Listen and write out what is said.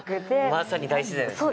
まさに大自然ですね。